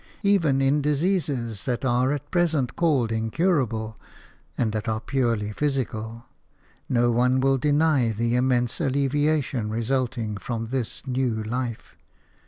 Even in diseases that are at present called incurable, and that are purely physical, no one will deny the immense alleviation resulting from this new life.